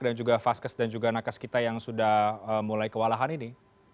dan juga faskes dan juga nakes kita yang sudah mulai kewalahan ini